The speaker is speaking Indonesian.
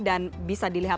dan bisa dilihat